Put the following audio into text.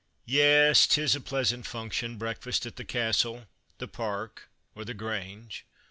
Yes, 'tis a pleasant function, breakfast at the Castle, the Park, or the Grange.